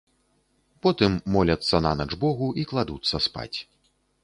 Потым моляцца нанач богу і кладуцца спаць.